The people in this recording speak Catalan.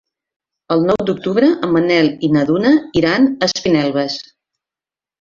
El nou d'octubre en Manel i na Duna iran a Espinelves.